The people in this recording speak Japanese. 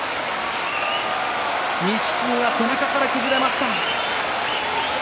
錦木が背中から崩れました。